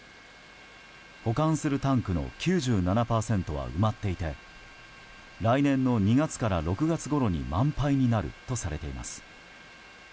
保管するタンクの９７％は埋まっていて来年の２月から６月ごろに満杯になるとされています。